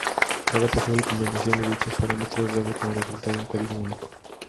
Cada posible combinación de dichos parámetros daba como resultado un código único.